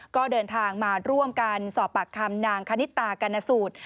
ก็เดินทางมาร่วมกันสอบปากคำนางคณิตากรณสูตร